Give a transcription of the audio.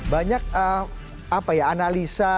banyak apa ya analisa